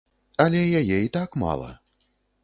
Але яе і так мала.